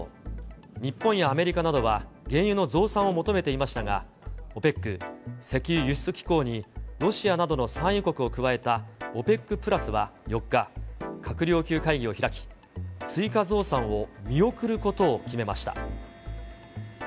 日本やアメリカなどは、原油の増産を求めていましたが、ＯＰＥＣ・石油輸出国機構にロシアなどの産油国を加えたＯＰＥＣプラスは４日、閣僚級会議を開き、追加増産を見送ることを決めました。